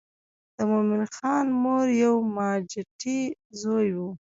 د مومن خان مور یو ماجتي زوی و.